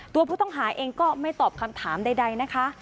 ตัวผู้ต้องหาเองก็ไม่ตอบคำถามใดนะคะ